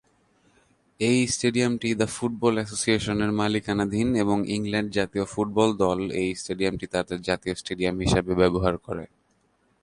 এই স্টেডিয়ামটি the football অ্যাসোসিয়েশনের মালিকানাধীন এবং ইংল্যান্ড জাতীয় ফুটবল দল এই স্টেডিয়ামটি তাদের জাতীয় স্টেডিয়াম হিসেবে ব্যবহার করে।